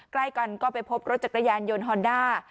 ใกล้กันก็ไปพบรถจักรยานยนต์ฮอนด้า